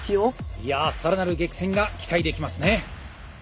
いや更なる激戦が期待できますね。